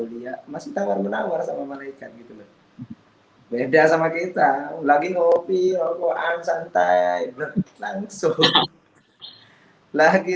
mulia masih tawar menawar sama mereka gitu beda sama kita lagi ngopi orang santai langsung lagi